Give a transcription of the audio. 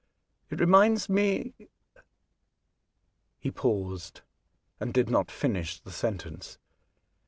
It reminds me " He paused and did not finish the sentence.